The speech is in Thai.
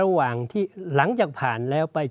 หลังจากผ่านแล้วไป